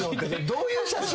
どういう写真？